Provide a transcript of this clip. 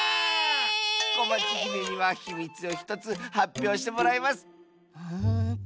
こまちひめにはひみつを１つはっぴょうしてもらいます。